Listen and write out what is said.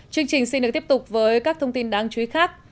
chương trình xin được tiếp tục với các thông tin đáng chú ý khác